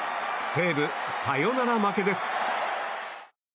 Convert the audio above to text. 西武、サヨナラ負けです。